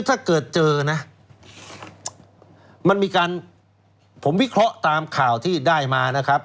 ถ้าเกิดเจอนะมันมีการผมวิเคราะห์ตามข่าวที่ได้มานะครับ